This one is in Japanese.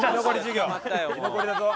居残りだぞ。